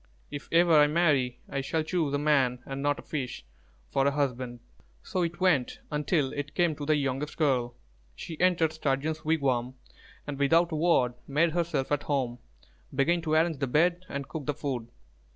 If ever I marry, I shall choose a man, and not a fish, for a husband." So it went until it came to the youngest girl. She entered Sturgeon's wigwam and, without a word, made herself at home, began to arrange the bed and cook the food.